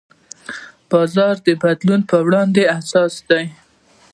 بازار د بدلونونو په وړاندې حساس دی.